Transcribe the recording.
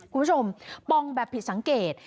คุณผู้ชมปองแบบผิดสังเกต